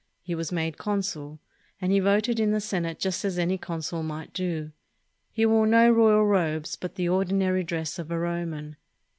He was made con sul; and he voted in the Senate just as any consul might do. He wore no royal robes, but the ordinary dress of a Roman.